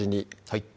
はい